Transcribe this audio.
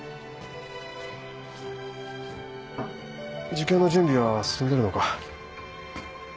受験の準備は進んでるのか？